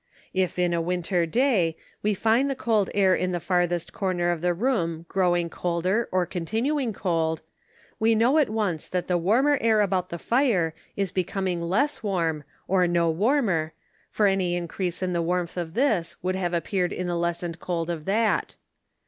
If in a winter day we find the cold air in the farthest comer of the room growing colder or continuing cold, we know at once that the warmer air about the fire is becoming less warm or no warmer, for any increase in the warmth of this would have ap peared in the lessened cold of that.